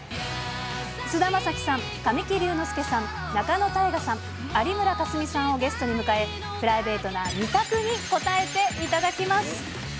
菅田将暉さん、神木隆之介さん、仲野太賀さん、有村架純さんをゲストに迎え、プライベートな２択に答えていただきます。